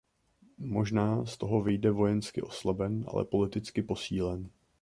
Možná z toho vyjde vojensky oslaben, ale politicky posílen.